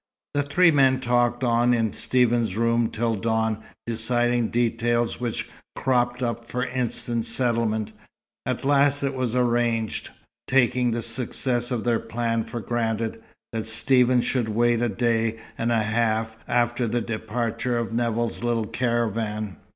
The three men talked on in Stephen's room till dawn, deciding details which cropped up for instant settlement. At last it was arranged taking the success of their plan for granted that Stephen should wait a day and a half after the departure of Nevill's little caravan.